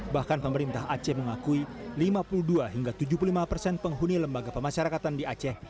bahkan pemerintah aceh mengakui lima puluh dua hingga tujuh puluh lima persen penghuni lembaga pemasyarakatan di aceh